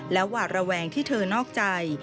หวาดระแวงที่เธอนอกใจ